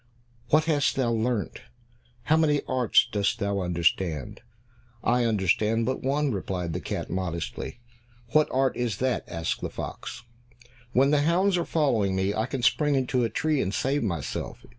What hast thou learnt? How many arts dost thou understand?" "I understand but one," replied the cat, modestly. "What art is that?" asked the fox. "When the hounds are following me, I can spring into a tree and save myself."